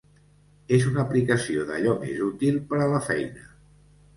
És una aplicació d’allò més útil per a la feina.